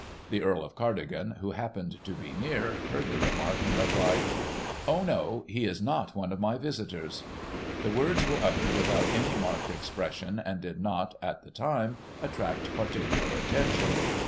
The Earl of Cardigan, who happened to be near, heard the remark, and replied, " Oh, no ; he js not one of my visitors." The words were uttered without any marked expression, and did not, at the time, attract particular attention.